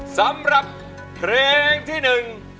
สำหรับเพลงที่หนึ่ง